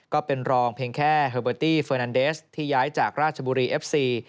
ก็เป็นรองเพียงแค่เฮอร์เบอร์ตี้เฟอร์นันเดสที่ย้ายจากราชบุรีเอฟซี